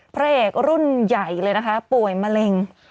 พระเอกรุ่นใหญ่เลยนะคะป่วยมะเร็ง